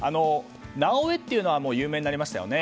「なおエ」というのは有名になりましたよね。